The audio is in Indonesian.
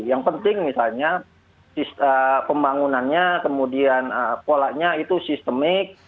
yang penting misalnya pembangunannya kemudian polanya itu sistemik